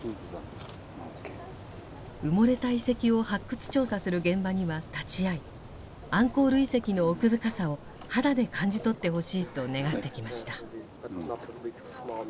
埋もれた遺跡を発掘調査する現場には立ち会いアンコール遺跡の奥深さを肌で感じ取ってほしいと願ってきました。